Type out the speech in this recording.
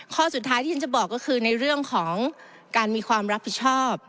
ข้อสุดท้ายที่ฉันจะบอกก็คือในเรื่องของการมีความรับผิดชอบ